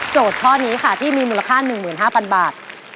ข้อนี้ค่ะที่มีมูลค่า๑๕๐๐๐บาท